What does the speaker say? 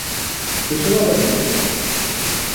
এসব আবার কী?